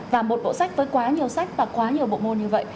và một bộ sách với quá nhiều sách và quá nhiều bộ môn như vậy